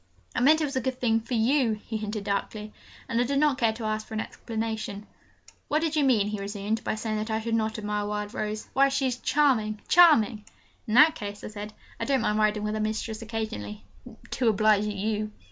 'I meant it was a good thing for you!' he hinted darkly, and I did not care to ask for an explanation. 'What did you mean,' he resumed, 'by saying that I should not admire Wild Rose? Why, she is charming charming!' 'In that case,' I said, 'I don't mind riding with her mistress occasionally to oblige you.'